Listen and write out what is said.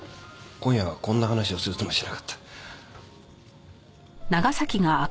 今夜はこんな話をするつもりじゃなかった。